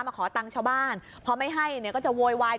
มาขอตังค์ชาวบ้านพอไม่ให้เนี่ยก็จะโวยวาย